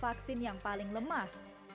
vaksin yang paling lemah